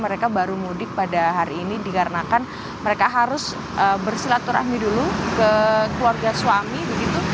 mereka baru mudik pada hari ini dikarenakan mereka harus bersilaturahmi dulu ke keluarga suami begitu